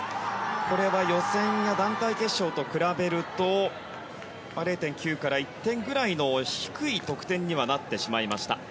これは予選や団体決勝と比べると０．９から１点ぐらい低い得点になってしまいました。